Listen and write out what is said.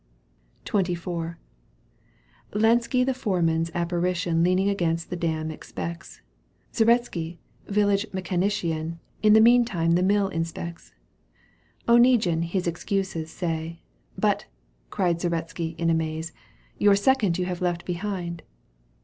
XXIV. Lenski the foeman's apparition Leaning against the dam expects, Zaretski, village mechanician. In the meantime the mill inspects. Oneguine his excuses says ;" But," cried Zaretski in amaze, " Your second you have left behind